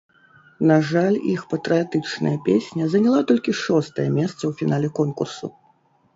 На жаль, іх патрыятычная песня заняла толькі шостае месца ў фінале конкурсу.